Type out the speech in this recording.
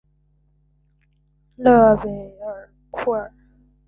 勒韦尔库尔。